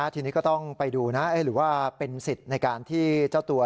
ทีนี้ก็ต้องไปดูนะหรือว่าเป็นสิทธิ์ในการที่เจ้าตัว